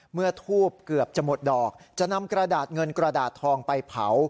เมื่อทูบเกือบจะหมดดอกจะนำกระดาษเงินกระดาษทองไปเผา